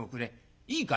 いいかい」。